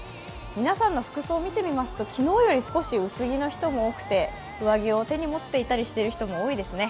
皆さんの服装を見てみますと、昨日より少し薄着の人も多くて上着を手に持ったりしている人が多いですね。